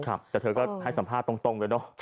แต่เธอก็ให้สัมภาษณ์ตรงเลยเนอะ